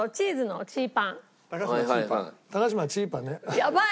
やばい！